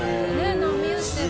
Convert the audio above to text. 波打ってる。